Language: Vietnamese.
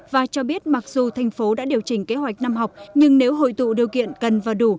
và cho biết mặc dù thành phố đã điều chỉnh kế hoạch năm học nhưng nếu hội tụ điều kiện cần và đủ